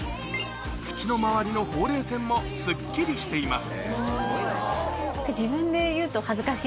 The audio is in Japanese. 口の周りのほうれい線もスッキリしています